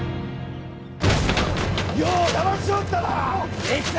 余をだましおったな！